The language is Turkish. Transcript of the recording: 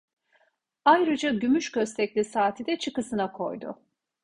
Ayrıca gümüş köstekli saati de çıkısına koydu.